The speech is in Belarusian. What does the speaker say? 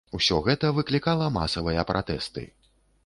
Усё гэта выклікала масавыя пратэсты.